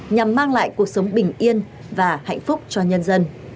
nhằm mang lại cuộc sống bình yên và hạnh phúc cho nhân dân